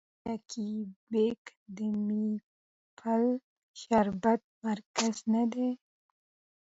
آیا کیوبیک د میپل شربت مرکز نه دی؟